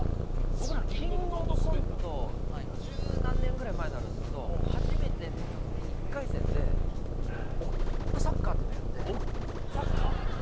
僕らキングオブコント十何年ぐらい前になるんですけど初めて出た時に１回戦で○○サッカーっていうのやって○○サッカー！？